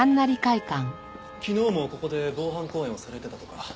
昨日もここで防犯公演をされてたとか。